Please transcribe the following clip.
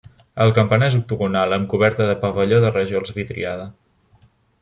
El campanar és octogonal amb coberta de pavelló de rajols vidriada.